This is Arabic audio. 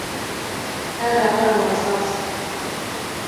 هذا قلم رصاص.